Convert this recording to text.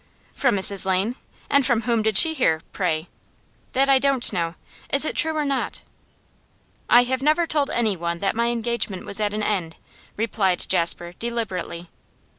'From Mrs Lane? And from whom did she hear, pray?' 'That I don't know. Is it true or not?' 'I have never told anyone that my engagement was at an end,' replied Jasper, deliberately.